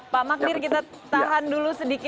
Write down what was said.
pak magnir kita tahan dulu sedikit